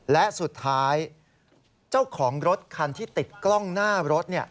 และสุดท้ายเจ้าของรถคันที่ติดกล้องหน้ารถ